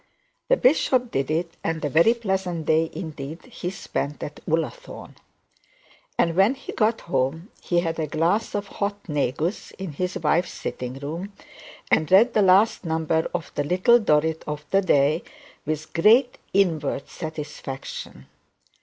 The bishop did it; and a very pleasant day indeed he spent at Ullathorne. And when he got home he had a glass of hot negus in his wife's sitting room, and read the last number of the 'Little Dorrit' of the day with great inward satisfaction.